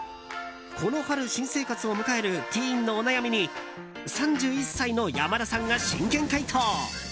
この春、新生活を迎えるティーンのお悩みに３１歳の山田さんが真剣回答。